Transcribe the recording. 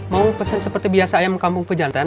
mau pesen seperti biasa ayam kampung pejantan